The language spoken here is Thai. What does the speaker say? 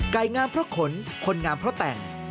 งามเพราะขนคนงามเพราะแต่ง